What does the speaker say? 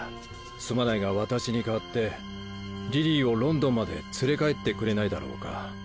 すまないが私に代わってリリーをロンドンまで連れ帰ってくれないだろうか？